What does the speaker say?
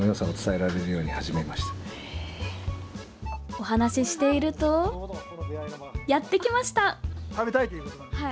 お話しているとやってきました。